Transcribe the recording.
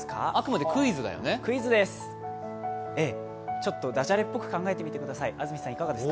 ちょっとだじゃれっぽく考えてみてください。